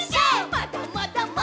まだまだまだまだ」